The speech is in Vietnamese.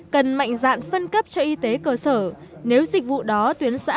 cần mạnh dạn phân cấp cho y tế cơ sở nếu dịch vụ đó tuyến xã